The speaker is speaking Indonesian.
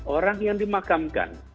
orang yang dimakamkan